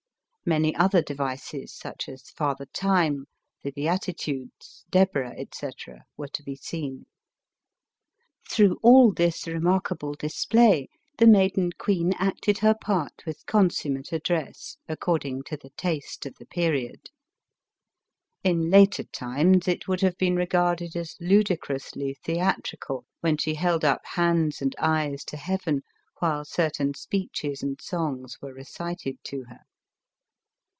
Many other devices, such as Father Time, the Beati tudes, Deborah, etc., were to be seen. Through all this remarkable display, the maiden queen acted her part with consummate address, according to the taste of the period. In later times it would have been re garded as ludicrously theatrical when she held up hands and eyes to heaven, while certain speeches and songs were recited to her.